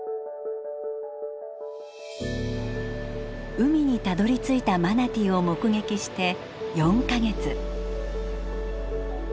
海にたどりついたマナティーを目撃して４か月。